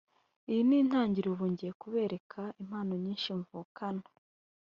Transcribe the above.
Iyi ni intangiriro ubu ngiye kubereka impano nyinshi mvukana